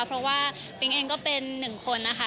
เพราะว่าปิ๊งเองก็เป็นหนึ่งคนนะคะ